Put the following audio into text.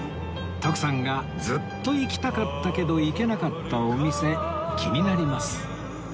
徳さんがずっと行きたかったけど行けなかったお店気になります